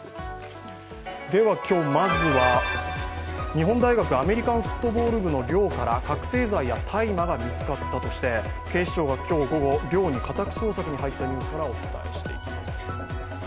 今日、まずは、日本大学アメリカンフットボール部の寮から覚醒剤や大麻が見つかったとして警視庁が今日午後、寮に家宅捜索に入ったニュースからお伝えしていきます。